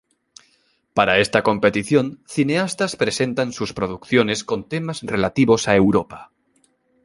Para esta competición, cineastas presentan sus producciones con temas relativos a Europa.